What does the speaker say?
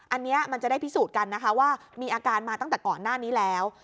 อันนี้มันจะได้พิสูจน์กันนะคะว่ามีอาการมาตั้งแต่ก่อนหน้านี้แล้ว